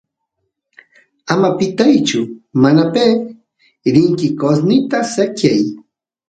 ama pitaychu manape rinki qosnita sekyay